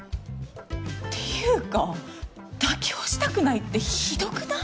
ていうか妥協したくないってひどくない？